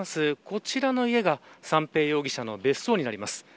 こちらの家が三瓶容疑者の別荘になります。